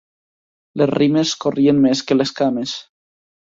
Les rimes corrien més que les cames.